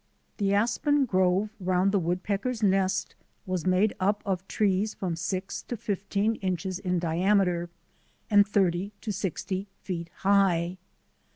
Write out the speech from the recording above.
The aspen grove round the woodpeckers' nest was made up of trees from six to fifteen inches in diameter and thirty to sixty feet high.